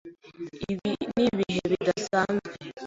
Ibi ni ibihe bidasanzwe.